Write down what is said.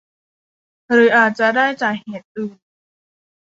หรืออาจจะได้จากเหตุอื่น